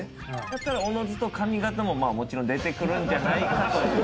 だったらおのずと髪型もまあもちろん出てくるんじゃないかという。